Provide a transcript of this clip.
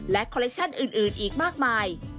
และคอลเลคชั่นอื่นอีกมากมาย